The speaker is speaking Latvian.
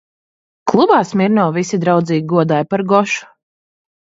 Klubā Smirnovu visi draudzīgi godāja par Gošu.